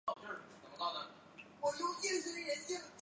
序列写作。